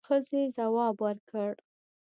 ښځې ځواب ورکړ.